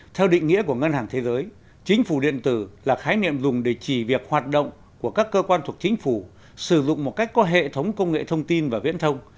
theo định nghĩa của ngân hàng thế giới chính phủ điện tử là khái niệm dùng để chỉ việc hoạt động của các cơ quan thuộc chính phủ sử dụng một cách có hệ thống công nghệ thông tin và viễn thông